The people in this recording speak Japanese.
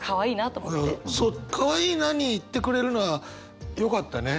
そうかわいいなにいってくれるならよかったね。